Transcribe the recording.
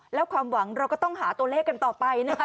แล้วความหวังเราก็ต้องหาตัวเลขกันต่อไปนะคะ